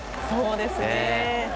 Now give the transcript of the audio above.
そうですね。